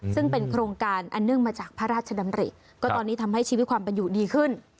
ซึ่งเป็นโครงการอันเนื่องมาจากพระราชดำริก็ตอนนี้ทำให้ชีวิตความเป็นอยู่ดีขึ้น